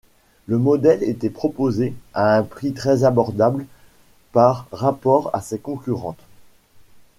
Le modèle était proposé à un prix très abordable par rapport à ses concurrentes.